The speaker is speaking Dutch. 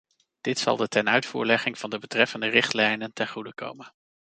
Dit zal de tenuitvoerlegging van de betreffende richtlijnen ten goede komen.